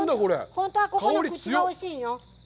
本当はここの口がおいしいのよ。